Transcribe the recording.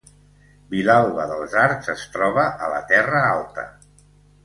Vilalba dels Arcs es troba a la Terra Alta